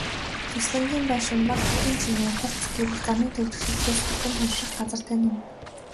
Зуслангийн байшин бол хотын чимээ, хурц гэрэл, замын түгжрэлээс холдон тайвшрах газар тань юм.